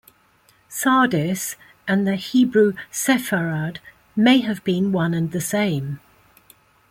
Sardis and the Hebrew Sepharad may have been one and the same.